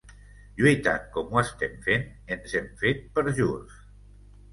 Lluitant com ho estem fent, ens hem fet perjurs.